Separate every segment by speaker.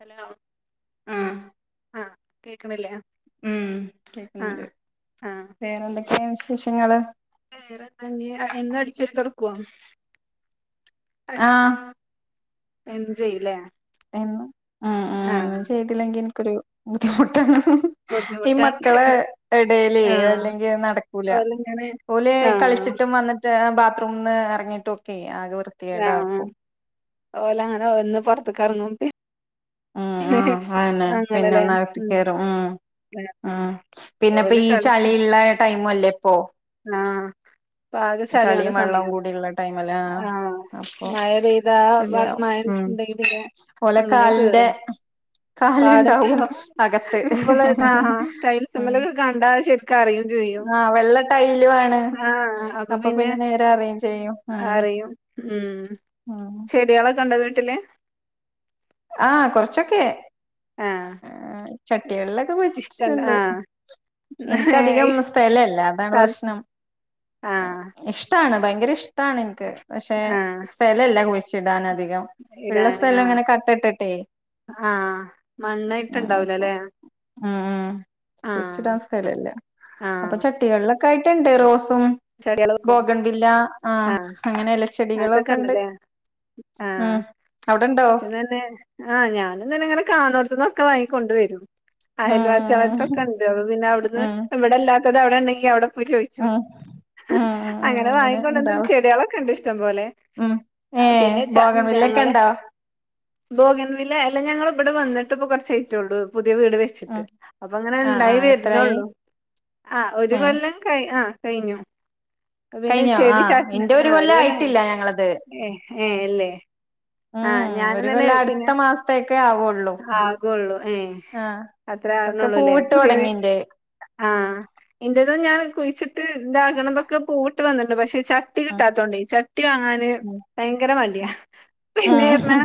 Speaker 1: Hello
Speaker 2: ആഹ്
Speaker 1: ആഹ് കേക്കണില്ലേ
Speaker 2: ഉം കേക്കുന്നുണ്ട്
Speaker 1: ആഹ് ആഹ്
Speaker 2: വേറെ എന്തൊക്കെയാ വിശേഷങ്ങള്
Speaker 1: വേറെ എന്താ ഞ്ഞി എന്നും അടിച്ചുവാരി തൊടക്കുവോ
Speaker 2: ആഹ്
Speaker 1: എന്നും ചെയ്യുംലെ
Speaker 2: എന്നും ആഹ് ആഹ് എന്നും ചെയ്തില്ലെങ്കിൽ എനിക്ക് ഒരു ബുദ്ധിമുട്ടാണ് ഈ
Speaker 1: ബുദ്ധിമുട്ടാണ്
Speaker 2: മക്കളെ എടേല്
Speaker 1: ആഹ്
Speaker 2: അല്ലെങ്കി അത് നടക്കൂല
Speaker 1: ഓലിങ്ങനെ
Speaker 2: ഓല്
Speaker 1: ആഹ്
Speaker 2: കളിച്ചിട്ടും വന്നിട്ട് ബാത്റൂമിന്ന് ഇറങ്ങിയിട്ടും ഒക്കെ ആകെ വൃ
Speaker 1: ആഹ് ഓല് അങ്ങനെ ഒന്ന് പൊറത്തൊക്കെ എറങ്ങും പി
Speaker 2: ഉം ആഹ് ആന്ന് പിന്നൊന്ന് അകത്തേക്ക് കേറും ഉം
Speaker 1: ആ
Speaker 2: ഉം പിന്നെപ്പ
Speaker 1: ഓല്
Speaker 2: ഈ ചളീള്ള ടൈമു അല്ലേ ഇപ്പൊ.
Speaker 1: ണാ പാകശാലിയാണ്
Speaker 2: ചളിയും വെള്ളവും
Speaker 1: സമയം
Speaker 2: കൂടിയുള്ള ടൈമല്ലേ
Speaker 1: ആഹ്
Speaker 2: അപ്പൊ
Speaker 1: മയ പെയ്താ
Speaker 2: ശരിയാവും ഉം
Speaker 1: മയേണ്ടങ്കി പിന്നെ
Speaker 2: ഓലെ
Speaker 1: അങ്ങനെ
Speaker 2: കാലിന്റെ
Speaker 1: കേറും പാടൽ
Speaker 2: കാലുണ്ടാവും അകത്ത്
Speaker 1: ഇപ്പോൾ ആഹ്
Speaker 2: ഉം
Speaker 1: ടൈൽസുമേലൊക്കെ കണ്ടാ ശരി ക്കറിയും ചെയ്യും
Speaker 2: ആഹ് വെള്ള ടൈലു ആണ്
Speaker 1: ആഹ് അപ്പൊ പിന്നെ
Speaker 2: നേരെ അറിയും ചെയ്യും
Speaker 1: അറിയും ഉം
Speaker 2: ഉം
Speaker 1: ചെടികളൊക്കെ ഉണ്ടോ വീട്ടില്.
Speaker 2: ആഹ് കൊറച്ചൊക്കെ
Speaker 1: ആഹ്
Speaker 2: ചട്ടികളിലൊക്കെ
Speaker 1: ഇഷ്ടം
Speaker 2: വെച്ചിട്ടിട്ടുണ്ട്
Speaker 1: ആഹ്
Speaker 2: എനിക്ക് അധികം സ്ഥലം ഇല്ല അതാണ്
Speaker 1: ഇഷ്ട
Speaker 2: പ്രശ്നം
Speaker 1: ആഹ്
Speaker 2: ഇഷ്ടാണ് ഭയങ്കര ഇഷ്ടാണ് എനിക്ക് പക്ഷെ.
Speaker 1: ആഹ്
Speaker 2: സ്ഥലല്ല കുയിച്ചിടാൻ അധികം ഉള്ള
Speaker 1: ഇടാന്
Speaker 2: സ്ഥലം
Speaker 1: ആഹ്
Speaker 2: ഇങ്ങനെ കട്ടട്ടിട്ടേ.
Speaker 1: ആഹ് മണ്ണായിട്ട്ണ്ടാവൂലല്ലേ.
Speaker 2: ആഹ് ആഹ് കുഴിച്ചിടാൻ സ്ഥലം ല്ല അപ്പൊ
Speaker 1: ആഹ്
Speaker 2: ച ട്ടികളിലൊക്കായിട്ടുണ്ട് റോസും
Speaker 1: ചെടികള് വെക്കും
Speaker 2: ബോഗൺ വില്ല ആ
Speaker 1: ആഹ്
Speaker 2: അങ്ങനെ
Speaker 1: അതൊക്കെ
Speaker 2: ഇലച്ചെടികളൊക്കെണ്ട്.
Speaker 1: ഉണ്ടല്ലേ ആഹ്
Speaker 2: ഉം അവിടൊണ്ടോ
Speaker 1: എനിക്കും തന്നെ ആഹ് ഞാനും പിന്നങ്ങനെ കാണോട്ത്ത്ന്നൊക്കെ വാങ്ങിക്കൊണ്ട് വരും
Speaker 2: ഉം
Speaker 1: അയൽവാസികളെഡ്ത്തൊക്കെ ഉണ്ട് അയൽവാസികളടുത്തൊക്കെണ്ട് അപ്പം പിന്നെ
Speaker 2: ഉം
Speaker 1: അവിടുന്ന്
Speaker 2: ഉം
Speaker 1: ഇവിടെല്ലാത്തത് അവിടെണ്ടെങ്കി അവിടെ പോയി ചോദി
Speaker 2: ആഹ്
Speaker 1: അങ്ങനെ വാങ്ങിക്കൊണ്ടന്ന് ചെടിളൊക്കെണ്ട് ഇഷ്ടം പോലെ.
Speaker 2: ഉം
Speaker 1: ആഹ്
Speaker 2: ഏഹ്
Speaker 1: പിന്നെ ചാ
Speaker 2: ബോഗൺവില്ലൊക്കെ
Speaker 1: ഞങ്ങള്.
Speaker 2: ഉണ്ടോ
Speaker 1: ബോഗൻ വില്ല അല്ല ഞങ്ങൾ ഇബടെ വന്നിട്ട് ഇപ്പ കുറച്ചായിറ്റുള്ളൂ പുതിയ വീട് വെ
Speaker 2: ഉം
Speaker 1: ച്ചിട്ട് അപ്പ ങ്ങനെ
Speaker 2: ആഹ്
Speaker 1: ഇണ്ടായി
Speaker 2: ആഹ് എത്രായി
Speaker 1: വരുന്നേള്ളൂ ആഹ് ഒരു
Speaker 2: ഏഹ്
Speaker 1: കൊല്ലം കയി ആഹ് കഴിഞ്ഞു പിന്നെ
Speaker 2: കഴിഞ്ഞോ
Speaker 1: ചെടി
Speaker 2: ആഹ്
Speaker 1: ചട്
Speaker 2: ഇന്റെ
Speaker 1: ആഹ് ഒരു കൊല്ലം കഴിഞ്ഞു
Speaker 2: ആയിട്ടില്ല ഞങ്ങളത്
Speaker 1: ഏ ഏ അല്ലേ
Speaker 2: ഉം
Speaker 1: ആഹ് ഞാനും
Speaker 2: ഒരു
Speaker 1: തന്നെ
Speaker 2: കൊല്ലം
Speaker 1: പിന്നെ
Speaker 2: അടുത്ത മാസത്തേക്കെ ആവുള്ളൂ
Speaker 1: ആകേള്ളൂ. ഏ
Speaker 2: ആഹ്
Speaker 1: അത്രേ
Speaker 2: ഒക്കെ
Speaker 1: ആകുന്നുള്ളൂല്ലേ
Speaker 2: പൂവിട്ട്
Speaker 1: പുതിയ വീ
Speaker 2: തുടങ്ങിന്റെ
Speaker 1: ആഹ് ഇന്റേതും ഞാൻ കുഴിച്ചിട്ട് ഇതാകണതൊക്കെ പൂവിട്ട് വന്നിണ്ട്. പക്ഷെ ച ട്ടി
Speaker 2: ഉം
Speaker 1: കിട്ടാത്തോണ്ടേ ചട്ടി വാങ്ങാന്
Speaker 2: ഉം
Speaker 1: ഭയങ്കര മടിയാ
Speaker 2: ഉം
Speaker 1: പിന്നെ പറഞ്ഞാ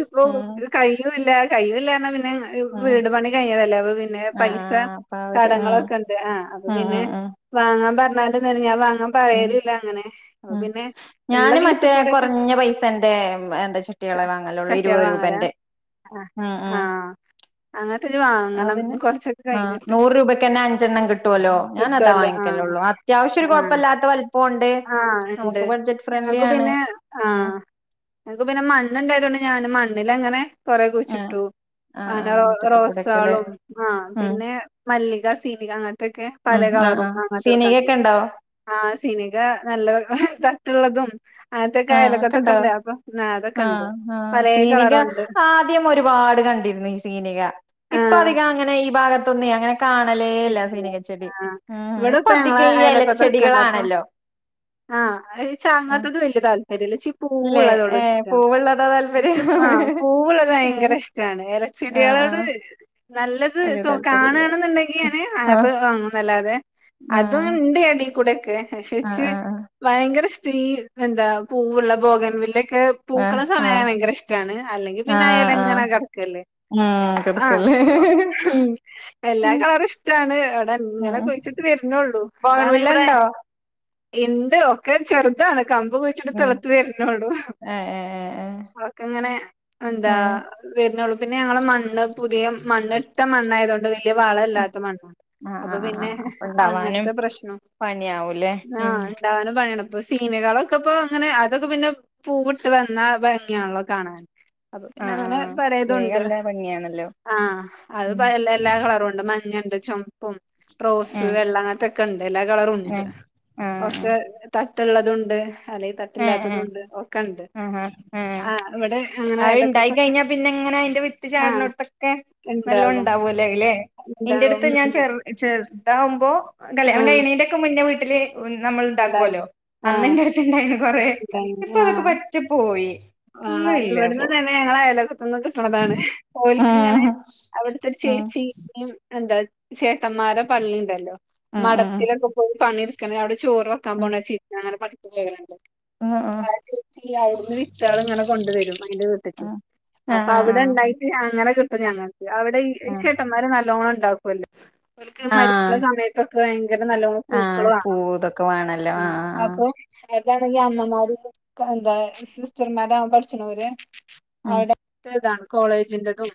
Speaker 1: ഇപ്പൊ
Speaker 2: ഉം ഉം
Speaker 1: ഇത് കയിയൂല്ല കയിയൂല പറഞ്ഞാ പിന്നെ ഇപ്പോ
Speaker 2: ഉം
Speaker 1: വീടുപണി കഴിഞ്ഞതല്ലേ അപ്പൊ പിന്നെ പൈസ
Speaker 2: ആഹ് അപ്പൊ അവര് ഉം
Speaker 1: കടങ്ങളൊക്കെണ്ട് ആഹ് അപ്പ
Speaker 2: ഉം
Speaker 1: പിന്നെ
Speaker 2: ഉം ഉം
Speaker 1: വാങ്ങാൻ പറഞ്ഞാല് തന്നെ ഞാൻ വാങ്ങാൻ
Speaker 2: ഉം
Speaker 1: പറയലില്ല അങ്ങനെ. അപ്പൊ
Speaker 2: ഉം
Speaker 1: പിന്നെ ഉള്ള കേസ് കൂടെക്കെ
Speaker 2: ത്തന്റെ എന്താ ചെട്ടികളെ വാങ്ങലുള്ളൂ
Speaker 1: ചട്ടികള്
Speaker 2: ഇരുപത്
Speaker 1: വാങ്ങലാ
Speaker 2: രൂപന്റെ ആഹ് ആഹ്
Speaker 1: അങ്ങനത്തെത് വാങ്ങണം
Speaker 2: അതിന്
Speaker 1: കൊറച്ചൊക്കെ
Speaker 2: ആ
Speaker 1: കഴിഞ്ഞിട്ട്
Speaker 2: നൂറ് രൂപക്ക്ന്നെ അഞ്ചെണ്ണം കിട്ടോലോ. ഞാൻ അതാ
Speaker 1: കിട്ടുവല്ലോ ആഹ്
Speaker 2: വാങ്ങിക്കലള്ളു. അത്യാവശ്യം ഒരു
Speaker 1: ആഹ്
Speaker 2: കൊഴപ്പല്ലാത്ത വലുപ്പം ഉണ്ട്.
Speaker 1: ആഹ് ഇണ്ട്
Speaker 2: നമുക്ക് ബഡ്ജറ്റ് ഫ്രണ്ട്ലി
Speaker 1: ഞങ്ങക്ക്
Speaker 2: ആണ്.
Speaker 1: പിന്നെ
Speaker 2: ഉം.
Speaker 1: ആഹ് ഞങ്ങക്ക് പിന്നെ മണ്ണുണ്ടായതോണ്ട് ഞാൻ മണ്ണിൽ അങ്ങനെ കൊറെ
Speaker 2: ആ
Speaker 1: കുഴിച്ചിട്ടു.
Speaker 2: ആ ആ
Speaker 1: അങ്ങനെ
Speaker 2: മുറ്റത്ത് കൂടെയൊക്കെല്ലേ
Speaker 1: റോസേളും, ആ
Speaker 2: ഉം
Speaker 1: പിന്നെ മല്ലിക, സീനിക, അങ്ങൻത്തെക്കെ.
Speaker 2: ഉം
Speaker 1: പലേ
Speaker 2: ആ ആ
Speaker 1: കളറും അങ്ങൻത്തൊക്കെണ്ട്.
Speaker 2: സീനികയൊക്കെ ഉണ്ടോ
Speaker 1: ആഹ് സിനിക നല്ല തട്ടുള്ളതും, അങ്ങനത്തൊക്കെ
Speaker 2: ആഹ് ഒക്കെ
Speaker 1: അയലൊക്കത്തൊക്കെ
Speaker 2: ഇണ്ടൊ.
Speaker 1: ഉണ്ട് അപ്പൊ ആ അതൊക്കെ ഉണ്ട്
Speaker 2: ആഹ് ആ
Speaker 1: പലേ
Speaker 2: സീനിക
Speaker 1: കളറുണ്ട്
Speaker 2: ആദ്യം ഒരുപാട് കണ്ടി സീനിക
Speaker 1: ആ
Speaker 2: ഇപ്പ അധികം അങ്ങനെ ഈ ഭാഗത്തൊന്നു അങ്ങനെ. കാണലേ ഇല്ല സീനികച്ചെടി. ഉം ഉം.
Speaker 1: ഇവിടെ
Speaker 2: ഇപ്പ
Speaker 1: ഞങ്ങളെ
Speaker 2: അധികം ഈ എലച്ചെടികളാണല്ലോ.
Speaker 1: ആഹ്
Speaker 2: ആഹ്
Speaker 1: ഇച്ചാങ്ങത്തത് വെല്യ താല്പര്യം ഇല്ല ഇച്ചി.
Speaker 2: ഇല്ലേ
Speaker 1: പൂവ്ള്ളതൊള്ളു
Speaker 2: ഏഹ്
Speaker 1: ഇഷ്ടം.
Speaker 2: പൂവുള്ളതാ
Speaker 1: ഇച്ച്
Speaker 2: താല്പര്യം
Speaker 1: ആ പൂവ്ള്ളത്
Speaker 2: ഏഹ്
Speaker 1: ഭയങ്കര ഇഷ്ടാണ് എല
Speaker 2: ആഹ്
Speaker 1: ചെട്യേളോട്
Speaker 2: ആഹ്
Speaker 1: നല്ലത്
Speaker 2: വല്യ
Speaker 1: തു
Speaker 2: താല്പര്യല്ല
Speaker 1: കാണാണ്ന്നുണ്ടെങ്കി
Speaker 2: ആഹ്
Speaker 1: അങ്ങത്തെ ഞാന് വങ്ങുന്നല്ലാതെ അതും
Speaker 2: ആഹ്
Speaker 1: ഇണ്ട് എടി കൂടെക്കെ പക്ഷെ ഇച്ച്.
Speaker 2: ആഹ്
Speaker 1: ഭയങ്കര സ്റ്റീ എന്താ പൂവുള്ള ബോഗൻ വില്ലൊക്കെ
Speaker 2: ആഹ്
Speaker 1: പൂക്കള
Speaker 2: ആഹ്
Speaker 1: സമയം
Speaker 2: ആഹ്
Speaker 1: ഭയങ്കര ഇഷ്റ്റാണ്. അല്ലെങ്കി പിന്നെ
Speaker 2: ആഹ്
Speaker 1: അയ്ലങ്ങനെ
Speaker 2: ആഹ്
Speaker 1: കെടക്കല്ലെ.
Speaker 2: ഉം
Speaker 1: ആ
Speaker 2: കിടക്കല്ലേ
Speaker 1: എല്ലാ
Speaker 2: ഉം
Speaker 1: കള റ് ഇഷ്ടാണ്. ഇവിടെ അങ്ങനെ
Speaker 2: ഉം
Speaker 1: കുഴി ച്ചിട്ട് വരുന്നൊള്ളു. അതാണെങ്കി
Speaker 2: ബോഗൺവില്ല
Speaker 1: ഇവിടെ
Speaker 2: ഇണ്ടോ
Speaker 1: ഇണ്ട് ഒക്കെ ചെറുതാണ്. കമ്പ് കുയി
Speaker 2: ഉം
Speaker 1: ച്ചടിത്ത്ളത്ത് വര്ന്നൊള്ളു.
Speaker 2: ഏഹ് ഏഹ് ഏഹ്
Speaker 1: ഒക്കെ യിങ്ങനെ എന്താ
Speaker 2: ഏഹ്
Speaker 1: വര്ന്നൊള്ളു. പിന്നെ ഞങ്ങളെ മണ്ണ് പുതിയ മണ്ണിട്ട മണ്ണായതുകൊണ്ട് വല്ല്യ വള
Speaker 2: ഏഹ്
Speaker 1: ഇല്ലാത്ത മണ്ണ
Speaker 2: ആഹ്
Speaker 1: അപ്പൊ
Speaker 2: ആഹ്
Speaker 1: പിന്നെ
Speaker 2: ആഹ് അപ്പൊ ഇണ്ടാവാനും
Speaker 1: അങ്ങൻത്തെ പ്രശ്നം
Speaker 2: പണിയാവൂല്ലേ
Speaker 1: ആ
Speaker 2: ഉം
Speaker 1: ഉണ്ടാവാനും പണ്യാണ് ഇപ്. അപ്പൊ സീനുകളളൊക്കെ ഇപ്പോ അങ്ങനെ അതൊക്കെ പിന്നെ പൂവിട്ട് വന്ന ഭംഗ്യാണല്ലോ കാണാന്. അപ്പൊ പിന്നെ
Speaker 2: ആഹ്
Speaker 1: അങ്ങനെ
Speaker 2: ആഹ് സിനിമക്ക്
Speaker 1: പലേതുണ്ട്.
Speaker 2: നല്ല ഭംഗിയാണല്ലോ
Speaker 1: ആ അത്
Speaker 2: ഉം
Speaker 1: എല്ല എല്ലാ കളറുണ്ട് മഞ്ഞണ്ട് ചൊമ റോസ്
Speaker 2: ഏഹ്
Speaker 1: വെള്ള അങ്ങൻത്തൊക്കെ ഇണ്ട്. എല്ലാ കളറു ഉണ്ട്.
Speaker 2: ഏഹ് ആഹ്
Speaker 1: ഒക്കെ തട്ട്ള്ളതുണ്ട്. അല്ലെങ്കി തട്ട്
Speaker 2: ഏഹ് ഏഹ്
Speaker 1: ഇല്ലാത്തതുണ്ട്. ഒക് ക്കെണ്ട്.
Speaker 2: ആഹ് ഏഹ്
Speaker 1: ആ ഇവിടെ അങ്ങനെ
Speaker 2: അത് ഇണ്ടായി
Speaker 1: അയലൊക്കത്തൊക്കെ.
Speaker 2: കഴിഞ്ഞാ പിന്നെ ഇങ്ങനെ അയിന്റെ വിത്ത്
Speaker 1: ആ ഇണ്ടാകും.
Speaker 2: ല്ലെലേ. ഇന്റേട്ത്ത് ഞാൻ ചെ ചെറുതാകുമ്പോ കല്യാണം
Speaker 1: ആഹ്
Speaker 2: കയ്യിണേന്റെക്കെ മുന്നെ വീട്ടില് നമ്മൾ
Speaker 1: ഉണ്ടായി
Speaker 2: ഇണ്ടാക്ക്വാല്ലോ. അന്ന്
Speaker 1: ആഹ്
Speaker 2: ഇന്റെടുത്തണ്ടായിന്നി കൊറേ. ഇപ്പ അതൊക്കെ പറ്റെ പോയി.
Speaker 1: ആ
Speaker 2: ഒന്നും ഇല്ല
Speaker 1: ഇവിട്ന്ന്
Speaker 2: ഇപ്പൊ
Speaker 1: തന്നെ ഞങ്ങളെ അയലൊക്കത്ത്നിന്ന് താണ്. ഓലിക്കിങ്ങനെ
Speaker 2: ആഹ്
Speaker 1: അവിടുത്തെ
Speaker 2: ഉം
Speaker 1: ചേച്ചി. എന്താ ചേട്ടന്മാരെ പള്ളി ഇണ്ടല്ലോ.
Speaker 2: ഉം ഉം
Speaker 1: മഠത്തിലൊക്കെ പോയി പണി എടുക്ക്ണ്. അവിടെ ചോറ് വക്കാൻ
Speaker 2: ഉം
Speaker 1: പോണ ചേച്ചി അങ്ങനെ പഠിക്കും ചെയ്യ്ണ് ഇണ്ട് അപ
Speaker 2: ഉം
Speaker 1: ചെയ്യാ ഔട്ന്നു കുട്ട്യേള് ഇങ്ങനെ കൊണ്ടുവെരും. അയ്ന്റെ വീട്ട്ക്ക്.
Speaker 2: ആഹ് ആഹ് ആഹ്
Speaker 1: അപ്പൊ
Speaker 2: ആഹ്
Speaker 1: അവിടെ
Speaker 2: ആഹ്
Speaker 1: ഉണ്ടായിട്ട് അങ്ങനെ കിട്ടും ഞങ്ങക് അവിടെ ഈ
Speaker 2: ആഹ്
Speaker 1: ചേട്ടന്മാരെ നല്ലോണം ഇണ്ടാക്ക്വല്ലോ. അവക്ക് മരിക്ക്ണ
Speaker 2: ആഹ്
Speaker 1: സമയത്ത് തൊക്കെ ഭയങ്കര നല്ലോണം
Speaker 2: ആഹ്
Speaker 1: പൂക്കള് വാണം.
Speaker 2: പൂവ് ഇതൊക്കെ വേണല്ലോ
Speaker 1: ആ
Speaker 2: ആഹ്
Speaker 1: അപ്പൊ അതാണെങ്കി അമ്മമാര് എന്താ സിസ്റ്റർമാരാവാൻ പഠിച്ച്ണോരു
Speaker 2: ഉം
Speaker 1: അവിടെ ന്റെതാണ്. കോളേജിന്റെതും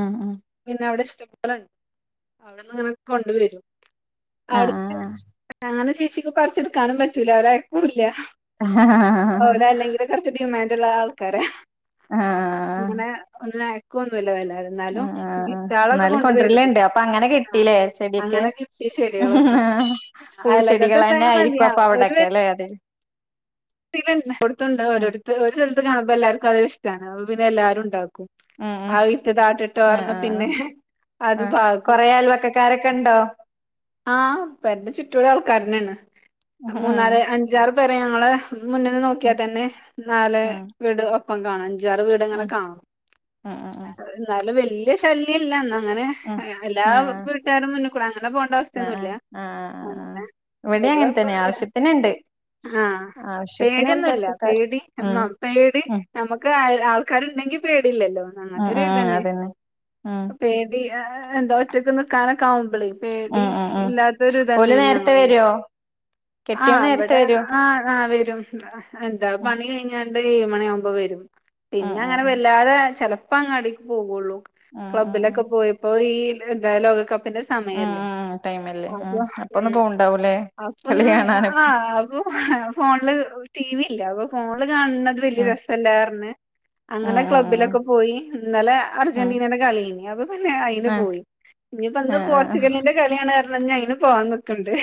Speaker 2: ഉം ഉം
Speaker 1: പിന്നെ അവിടെ ഇഷ്ടപോലെണ്ട്. അവിട്ന്നങ്ങനെ കൊണ്ടുവരും.
Speaker 2: ആഹ്
Speaker 1: അവിട്ത്തെ അങ്ങനെ ചേച്ചിക്ക് പറിച്ച് ഇട്ക്കാനും പറ്റൂല. ഓല് അയക്കൂല്ല. ഓലെ അല്ലെങ്കില് കൊറ്ച്ച് ഡിമാൻടുള്ള ആൾക്കാര
Speaker 2: ആ. ആ.
Speaker 1: ഇങ്ങനെ ഒന്നിനും അയക്കോന്നുല്ല വല്ലാതെ. എന്നാലും
Speaker 2: ആഹ്
Speaker 1: [unintelligible]
Speaker 2: എന്നാലും
Speaker 1: കൊണ്ട് വരും
Speaker 2: കൊണ്ടരലുണ്ട് അപ്പൊ അങ്ങനെ കിട്ടീല്ലേ ചെടിയൊക്കെ
Speaker 1: അങ്ങനൊക്കെ ചെടികളൊക്കെ അയലോക്കത്തുണ്ടായ
Speaker 2: പൂച്ചെടികളന്നെ ആയിരിക്കും അപ്പൊ
Speaker 1: മതിയാവും ഒരു
Speaker 2: അവിടൊക്കെ അല്ലെ അത്
Speaker 1: അടുത്തുണ്ട്
Speaker 2: ഉം
Speaker 1: ഓരോരുത്ത് ഒരു സ്ഥലത്ത് കാണുമ്പോ എല്ലാവർക്കും അത് ഇഷ്ടമാണ് അപ്പൊ പിന്നെ എല്ലാരും ഇണ്ടാക്കും
Speaker 2: ഉം ഉം
Speaker 1: അതിട്ടു താഴത്തിട്ട്
Speaker 2: ആഹ്
Speaker 1: പറഞ്ഞു
Speaker 2: ആഹ്
Speaker 1: പിന്നെ അത് പാകും
Speaker 2: ക്കാരൊക്കെ ഇണ്ടോ
Speaker 1: ആ പേരെന്റെ ചുറ്റും ആൾക്കാരന്നെയാണ്
Speaker 2: ഉം ഉം
Speaker 1: മൂന്നാല് അഞ്ചാറ് പെര ഞങ്ങള് മുന്നന്ന്
Speaker 2: ഉം
Speaker 1: നോക്കിയാൽ തന്നെ നാല് വീട് ഒപ്പം കാണാന്ണ്ട് അഞ്ചാറു വീട്ങ്ങനെ
Speaker 2: ഉം
Speaker 1: കാണും
Speaker 2: ഉം ഉം
Speaker 1: എന്നാലും വെല്യ ശല്യം ഇല്ല എന്നാ അങ്ങനെ
Speaker 2: ഉം
Speaker 1: എല്ലാ
Speaker 2: ആഹ്
Speaker 1: വീട്ടുകാരും മുന്നിൽക്കൂടെ അങ്ങനെ പോണ്ട അവസ്ഥ ഒന്നുല്ല
Speaker 2: ആഹ് ആഹ്
Speaker 1: അങ്ങനെ
Speaker 2: ഇവിടെ
Speaker 1: വെല്യ
Speaker 2: അങ്ങനെ തന്നെ
Speaker 1: കൊയപ്പൊന്നുല്ല
Speaker 2: ആവശ്യത്തിനുണ്ട്
Speaker 1: ആഹ്
Speaker 2: ആവശ്യത്തിന്
Speaker 1: പേടിയൊന്നുല്ല പേടി
Speaker 2: അയൽവക്കക്കാരുണ്ട്
Speaker 1: എന്ന
Speaker 2: ഉം
Speaker 1: പേടി
Speaker 2: ഉം
Speaker 1: നമ്മക്ക് ആൾക്കാരുണ്ടെങ്കിൽ പേടില്ലല്ലോ
Speaker 2: ഉം
Speaker 1: അങ്ങനത്തെ ഒരു
Speaker 2: ഉം
Speaker 1: ഇത്
Speaker 2: ഉം
Speaker 1: തന്നെ
Speaker 2: അതന്നെ ഉം
Speaker 1: പേടി പേ എന്താ ഒറ്റക്ക് നിക്കാനൊക്കെ ആവുമ്പളെ പേടി
Speaker 2: ഉം ഉം ഉം
Speaker 1: ഇല്ലാത്തൊരു
Speaker 2: ഓല്
Speaker 1: ഇതന്നെയാണ്
Speaker 2: നേരത്തെ
Speaker 1: ഞങ്ങളെ
Speaker 2: വരുവോ കെട്ടിയോൻ
Speaker 1: ആഹ്
Speaker 2: നേരത്തെ
Speaker 1: അവിടെ
Speaker 2: വരുവോ
Speaker 1: ആഹ് ആഹ് വരും എന്താ
Speaker 2: ഉം
Speaker 1: പണി കഴിഞ്ഞാണ്ട് ഏഴ് മണി ആവുമ്പോ വരും
Speaker 2: ഉം
Speaker 1: പിന്നെ അങ്ങനെ
Speaker 2: ഉം
Speaker 1: വല്ലാതെ ചെല പ്പം അങ്ങാടിക്ക് പോകുള്ളൂ
Speaker 2: ഉം ഉം ഉം
Speaker 1: ക്ലബ്ബിലൊക്കെ പോയപ്പോ ഈ എന്താ ലോകകപ്പിന്റെ സമയല്ലേ
Speaker 2: ആ ടൈമല്ലേ ഉം
Speaker 1: അതാ
Speaker 2: അപ്പൊ ഒന്ന്
Speaker 1: മ്മ്
Speaker 2: പോവുണ്ടാവൂലേ കളി
Speaker 1: അപ്പൊന്ന്
Speaker 2: കാണാനൊക്കെ
Speaker 1: ആഹ് അപ്പൊ ഫോണില് ടീ വി ഇല്ല അപ്പൊ ഫോണില് കാണണത് വല്യ
Speaker 2: ഉം
Speaker 1: രസല്ലാന്ന് പറഞ്ഞ്
Speaker 2: ഉം
Speaker 1: അങ്ങനെ
Speaker 2: ഉം ഉം
Speaker 1: ക്ലബ്ബിലൊക്കെ പോയി ഇന്നലെ
Speaker 2: ഉം
Speaker 1: അർജന്റീനെടെ കളി അപ്പൊ പിന്നെ അയിന്
Speaker 2: ആഹ്
Speaker 1: പോയി ഇനിയിപ്പോ ഇന്ന്
Speaker 2: ആഹ്
Speaker 1: പോർച്ചുഗലിന്റെ കളിയാണ് പറഞ്ഞ് ഇന്ന് അയിന് പോവാൻ നിക്കിണ്ട്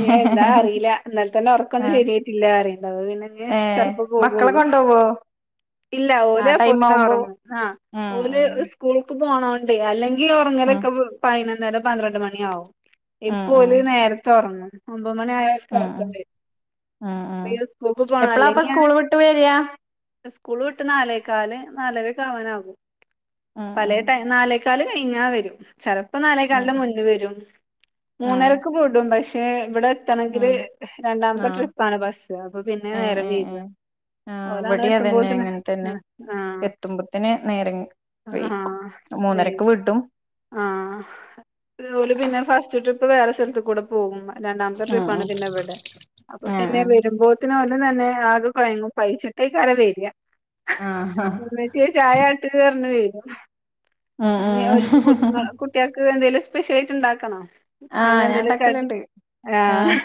Speaker 1: ഞ് എന്താ അറിയില്ല ഇന്നലെ തന്നെ ഒറക്കൊന്നും
Speaker 2: ആഹ്
Speaker 1: ശരിയായിട്ടില്ലാ പറയണ്ട് അപ്പൊ പിന്നെ ഇഞ്
Speaker 2: ഏഹ്
Speaker 1: [unintelligible]
Speaker 2: മക്കളെ കൊണ്ടോവോ
Speaker 1: ഇല്ല
Speaker 2: ആ
Speaker 1: ഓല്
Speaker 2: ടൈം
Speaker 1: അപ്പോത്തിന്
Speaker 2: ആവുമ്പോ
Speaker 1: ഒറങ്ങും ആഹ്
Speaker 2: ഉം
Speaker 1: ഓല് ഇസ്
Speaker 2: ഉം
Speaker 1: സ്കൂള്ക്ക് പോണോണ്ടേ അല്ലെങ്കി
Speaker 2: ഉം
Speaker 1: ഒറങ്ങലൊക്കെ പൈനൊന്നര പന്ത്രണ്ട് മണിയാവും
Speaker 2: ഉം
Speaker 1: ഇപ്പോ ഓല്
Speaker 2: ഉം
Speaker 1: നേരത്തെ ഒറങ്ങും ഒമ്പത് മണി ആയ
Speaker 2: ഉം
Speaker 1: ഉറക്കം
Speaker 2: ഉം
Speaker 1: വരും
Speaker 2: ഉം
Speaker 1: ഇപ്പം
Speaker 2: ഉം
Speaker 1: ഈ സ്കൂള്ക്ക് പോണല്ലെ
Speaker 2: എപ്പളാപ്പ
Speaker 1: അല്ലെങ്കി
Speaker 2: സ്കൂള് വിട്ട് വരിക
Speaker 1: സ്കൂള് വിട്ട് നാലേക്കാല് നാലരക്കാവാനാകും
Speaker 2: ഉം
Speaker 1: പലേ
Speaker 2: ഉം
Speaker 1: ടൈം നാലേ ക്കാല് കയിഞ്ഞാ വരും ചെലപ്പോ നാലേ
Speaker 2: ഉം
Speaker 1: ക്കാലിന് മുന്നേ വരും
Speaker 2: ഉം
Speaker 1: മൂന്നരക്ക് വിടും പക്ഷെ ഇവിടെ എത്തണെങ്കില്
Speaker 2: ഉം
Speaker 1: രണ്ടാമത്തെ
Speaker 2: ആഹ്
Speaker 1: ട്രിപ്പാണ് ബസ്സ് അപ്പൊ പിന്നെ
Speaker 2: ഏഹ്
Speaker 1: നേരം
Speaker 2: ഏഹ് ഏഹ്
Speaker 1: വയ്കാ
Speaker 2: ആഹ്
Speaker 1: ഒരാള്
Speaker 2: ഇവടിം അതന്നെ
Speaker 1: എത്തുമ്പോത്തിന്
Speaker 2: അങ്ങനെ തന്നെ
Speaker 1: അഹ് ആഹ്
Speaker 2: എത്തുമ്പത്തിന് നേരം
Speaker 1: ആഹ്
Speaker 2: വൈകും
Speaker 1: വൈ
Speaker 2: മൂന്നരക്ക് വിടും
Speaker 1: ആഹ് ഓല് പിന്നെ ഫസ്റ്റ് ട്രിപ്പ് വേറെ സ്ഥലത്ത്ക്കുടെ പോകും രണ്ടാമത്തെ
Speaker 2: ആഹ്
Speaker 1: ട്രിപ്പാണ് പിന്നെ ഇവടെ അപ്പൊ
Speaker 2: ആഹ്
Speaker 1: പിന്നെ വരുമ്പോ ത്തിന്നും ഓല് തന്നെ ആകെ കൊയങ്ങും പൈച്ചിട്ടായിക്കാരം വര്യ
Speaker 2: ആഹ്
Speaker 1: ച്ചിയെ ചായാട്ട് പറഞ്ഞ് വരും
Speaker 2: ആഹ് ആഹ് ആഹ്
Speaker 1: കുട്ട്യോൾക്ക് എന്തേലും സ്പെഷ്യലായിട്ട് ഉണ്ടാക്കണോ
Speaker 2: ആഹ് ഞാൻ
Speaker 1: അങ്ങനെന്തേലൊക്കെ കടി
Speaker 2: ഇണ്ടാക്കല്ണ്ട്
Speaker 1: ആഹ്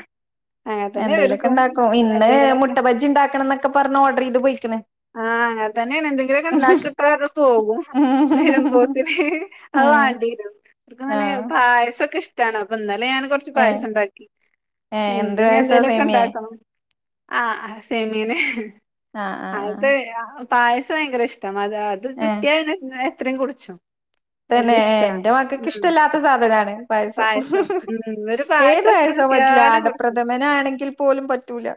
Speaker 1: അങ്ങനെ തന്നെ ഇവർക്കും
Speaker 2: എന്തേലൊക്കെണ്ടാക്കും ഇന്ന്
Speaker 1: എന്തെങ്കിലൊക്കെ
Speaker 2: മുട്ട ബജ്ജി ഇണ്ടാക്കണംന്നൊക്കെ പറഞ്ഞ് ഓർഡറ് ചെയ്ത് പോയിക്കണ്
Speaker 1: ആഹ് അങ്ങനെതന്നേണ് എന്തെങ്കിലൊക്കെ ഇണ്ടാക്ക്ട്ട പറഞ്ഞ് പോകും വരുമ്പോത്തിന് അത്
Speaker 2: ഉം
Speaker 1: വാണ്ടി വരും ഇവർക്കിങ്ങനെ
Speaker 2: ആഹ്
Speaker 1: പായസൊക്കെ ഇഷ്ടാണ് അപ്പൊ ഇന്നലെ ഞാൻ കൊറച്ച്
Speaker 2: ഏഹ്
Speaker 1: പായസണ്ടാക്കി
Speaker 2: ഏഹ് എന്ത്
Speaker 1: ഇന്ന് ഇനി
Speaker 2: പായസാ
Speaker 1: എന്തേലൊക്കെ
Speaker 2: സേമിയേ
Speaker 1: ഇണ്ടാക്കണം ആഹ് ആഹ് സേമിയെന്നേ
Speaker 2: ആഹ് ആഹ്
Speaker 1: അത് ആഹ് പായസം ഭയങ്കര ഇഷ്ടാ അത് കിട്ടിയാല് പിന്നെ എത്രയും കുടിച്ചും
Speaker 2: തന്നേ
Speaker 1: വല്യ ഇഷ്ടാണ്
Speaker 2: എന്റെ മക്കക്ക്
Speaker 1: ഉം
Speaker 2: ഇഷ്ടല്ലാത്ത സാധനാണ് പായസം
Speaker 1: ഉം ഒരു
Speaker 2: ഏത്
Speaker 1: പായസം എത്ര
Speaker 2: പായസോം പറ്റില്ല
Speaker 1: കിട്ടിയാലും കുടിച്ചും
Speaker 2: അടപ്രഥമനാണെങ്കിൽ പോലും പറ്റുല്ല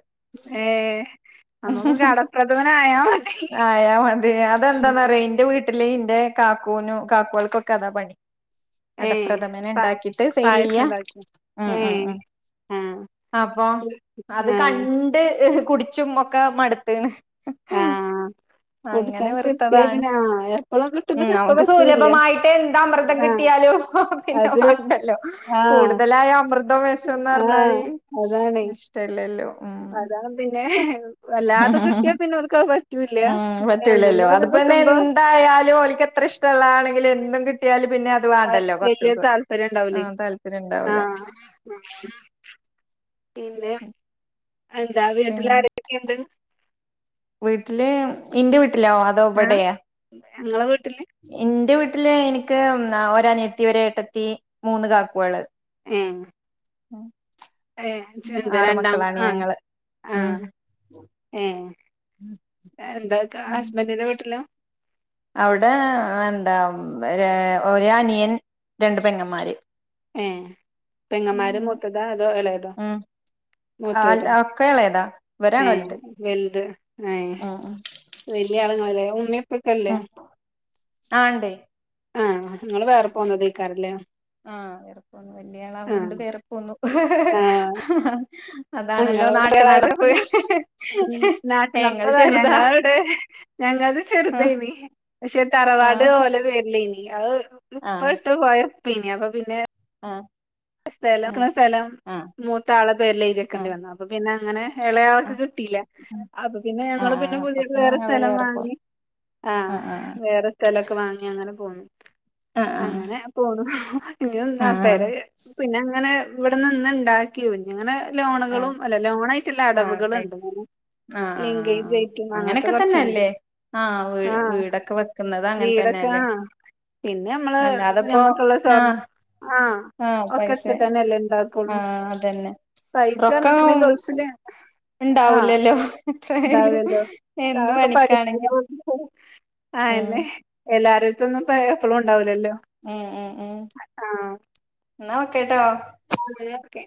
Speaker 1: ഏഹ് നമുക്ക് കടപ്രഥമനായാ മതി
Speaker 2: ആയാ മതി അതെന്താന്നറിയോ ഇന്റെ വീ ട്ടില് ഇന്റെ കാക്കൂനും കാക്കോൾക്ക് അതാ പണി
Speaker 1: ഏഹ്
Speaker 2: അടപ്രഥമന്
Speaker 1: പാ
Speaker 2: ഇണ്ടാക്കീട്ട് സെയിലിയ്യ
Speaker 1: പായസം ഉണ്ടാക്കും
Speaker 2: ഉം ഉം
Speaker 1: ഏഹ്
Speaker 2: ഉം
Speaker 1: ആഹ്
Speaker 2: അപ്പൊ അത് ക
Speaker 1: ആഹ്
Speaker 2: ണ്ട് കുടിച്ചും ഒക്കെ മടുത്ത് ക്ണ്
Speaker 1: ആഹ് കുടിച്ചാൻ കിട്ടിയാ
Speaker 2: വെറുത്തതാണ്
Speaker 1: പിന്നേ എപ്പളും കിട്ടുമ്പോ
Speaker 2: ഉം
Speaker 1: ചെലപ്പോ
Speaker 2: നമുക്ക്
Speaker 1: പറ്റൂല്ല
Speaker 2: സുലഭമായിട്ട് എന്ത്‌ അമൃതം
Speaker 1: ആഹ്
Speaker 2: കിട്ടിയാളും പിന്നെ
Speaker 1: അത്
Speaker 2: വേണ്ടല്ലോ
Speaker 1: ആഹ്
Speaker 2: കൂടുതലായി അമൃതും വെ ഷംന്ന്
Speaker 1: ആഹ്
Speaker 2: പറഞാരി ഇഷ്ടല്ലല്ലോ ഉം
Speaker 1: അതാ പിന്നെ വല്ലാതെ കിട്ടിയാ
Speaker 2: ഉം
Speaker 1: പിന്നെ ഓൽക്കത് പറ്റൂല്ല
Speaker 2: പറ്റൂലല്ലോ
Speaker 1: എന്തെങ്കിലൊക്കെ
Speaker 2: അതിപ്പന്നെ
Speaker 1: കിട്ടുമ്പോ
Speaker 2: എന്തായാലും ഓല്ക്ക് എത്ര ഇഷ് ടള്ളാണെങ്കിലും എന്നും കിട്ടിയാല് പിന്നെ അത് വേണ്ടല്ലോ കൊറച്ച്
Speaker 1: വല്യ
Speaker 2: ദിവസം
Speaker 1: താല്പര്യം
Speaker 2: ആ
Speaker 1: ഇണ്ടാവുല്ലേ
Speaker 2: താല്പര്യം ഉണ്ടാവൂല
Speaker 1: ആഹ് പിന്നെ എന്താ
Speaker 2: പിൻ
Speaker 1: വീട്ടില് ആരൊക്കെക്കെണ്ട്
Speaker 2: വീട്ടില് ഇന്റെ വീട്ടിലോ അതോ
Speaker 1: ആഹ്
Speaker 2: ഇവിടെയാ
Speaker 1: ഇങ്ങളെ വീട്ടില്
Speaker 2: ഇന്റെ വീട്ടില് എനിക്ക് ഒരനിയത്തി ഒര് എട്ടത്തി മൂന്ന് കാക്കോള്
Speaker 1: ഏഹ്
Speaker 2: ഉം
Speaker 1: ഏഹ. ചെന്താ രണ്ടാം ആഹ.
Speaker 2: ഉം
Speaker 1: ആഹ. ഏഹ എന്താ ക ഹസ്ബന്റിന്റെ വീട്ടിലോ.
Speaker 2: അവിടെ ഹ്. എന്താ ഒരഅനിയൻ. രണ്ട് പെങ്ങന്മാര്..
Speaker 1: ഏഹേ. പെങ്ങമ്മാര്
Speaker 2: ഉം
Speaker 1: മൂത്തതാ അതോ എളെതോ. മൂതോരോ..
Speaker 2: ഒക്കെ എളേതാ ഇവരാണ്
Speaker 1: ഏഹ
Speaker 2: വലുത്
Speaker 1: എന്ത്. ഏഹ.
Speaker 2: ഉം
Speaker 1: വെല്യ ള്ങ്ങളലേ. ' ഉമ്മിപ്പക്കല്ലേ..
Speaker 2: ആഹ ഉണ്ട്..
Speaker 1: ആഹ. നിങ്ങള് വേറെ പോന്ന തായ്ക്കരല്ലേ..
Speaker 2: ആഹ. വലിയാളാ വോണ്ട് വേറെ പോന്നു.
Speaker 1: ഞങ്ങളവിടെ വേറെയതോണ്ട്. മ്മ്ഹ്
Speaker 2: ഞങ്ങൾ
Speaker 1: നാട്ടിനർപ്പതാ
Speaker 2: ചെറുതാ
Speaker 1: ഞങ്ങളവിടെ. ഞങ്ങൾത്
Speaker 2: ആഹ്
Speaker 1: ചെറ്തേന്നി. പഷേ തറവാട്
Speaker 2: ആഹ്
Speaker 1: ഓലെ പേരിലേനി.. അഹ് ഇപ്പ ഇട്ട് പോയ ഒപ്പയിന്. അപ്പൊ പിന്നെ..
Speaker 2: ആഹ..
Speaker 1: സ്ഥലക്ക്ണ സലം മൂത്തആളെ പേരിലെഴ്‌തിക്കേണ്ടി
Speaker 2: ആഹ്
Speaker 1: വന്നു. അപ്പൊ പിന്നെ അങ്ങനെ.. എളെആൾക്
Speaker 2: ആഹ്
Speaker 1: കിട്ടില.
Speaker 2: ആഹ്
Speaker 1: അപ്പൊ പിന്നെ ഞങ്ങള് പിന്നെ
Speaker 2: ആഹ് അപ്പൊ
Speaker 1: പുതിയത് വേറെ
Speaker 2: ഞങ്ങള്
Speaker 1: സ്ഥലം
Speaker 2: വേറെപ്പോ
Speaker 1: വാങ്ങി.. ആഹ
Speaker 2: ആഹ് ആഹ്
Speaker 1: വേറെ സ് സ്ഥലക്കെ വാങ്ങി അങ്ങനെ പോന്നു.
Speaker 2: ആഹ്
Speaker 1: അങ്ങനെ പോന്നു.
Speaker 2: ആഹ്
Speaker 1: ഞ്ഞുന്നാപെര
Speaker 2: ആഹ്
Speaker 1: അങ്ങനെ ഇവിടെ നിന്ന്ണ്ടാ ക്കി അങ്ങനെ
Speaker 2: ആഹ്
Speaker 1: ലോണുകളും. അല്ല ലോണ ആയിട്ടല്ല
Speaker 2: ആഹ്
Speaker 1: അടവുകള്..
Speaker 2: കഴി ആഹ്
Speaker 1: ലിങ്കെ ലൈറ്റു [unintelligible] മ്മ അങ്ങനെത്തെ കൊറച്ചുണ്ട്..
Speaker 2: ആഹ. വീ.
Speaker 1: ആഹ്
Speaker 2: വീടൊക്കെ വെക്കുന്നത് അങ്ങൻതന്നെല്ലേ..
Speaker 1: പിന്നെമ്മള്. ഞമ്മക്ള്ള. സ്വർ
Speaker 2: ആഹ്
Speaker 1: ആഹ..
Speaker 2: ആഹ് പൈസ
Speaker 1: ഒക്കെടുത്തിട്ടന്നെല്ലേ. ണ്ടാക്കുള്ളൂ
Speaker 2: ആഹ് അതന്നെ റൊക്കം
Speaker 1: പൈസന്ന്ട്ടെ [unintelligible] ന്നെ. ഗൾഫില. ആഹ്
Speaker 2: ഉണ്ടാവൂലല്ലോ എത്രായാലും
Speaker 1: ഉണ്ടാവില്ലല്ലോ
Speaker 2: എന്ത്
Speaker 1: അതൊക്കെ പടിക്കും
Speaker 2: പണിക്കാണെങ്കിലും
Speaker 1: പോതിനും ആഹ്
Speaker 2: ഉം
Speaker 1: അതന്നെ എല്ലാരെട്തും ന്ന് ഇപ്പെ എപ്പളും ഉണ്ടാവുലല്ലോ.
Speaker 2: മ് മ് മ് എന്നാ ഓകെ ട്ടോ.
Speaker 1: റൂമിൽ ഒക്കെ